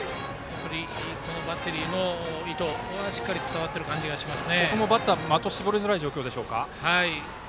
バッテリーの意図がしっかり伝わっている感じがします。